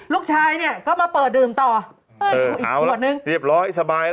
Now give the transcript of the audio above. ลูกชายเนี่ยก็มาเปิดดื่มต่อเออเอาละหนึ่งเรียบร้อยสบาย